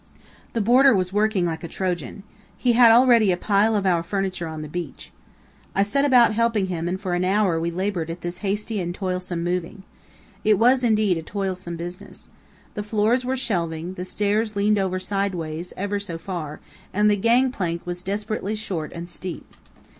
The boarder was working like a Trojan. He had already a pile of our furniture on the beach. I set about helping him, and for an hour we labored at this hasty and toilsome moving. It was indeed a toilsome business. The floors were shelving, the stairs leaned over sideways, ever so far, and the gang plank was desperately short and steep.